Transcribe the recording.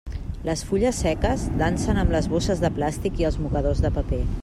Les fulles seques dansen amb les bosses de plàstic i els mocadors de paper.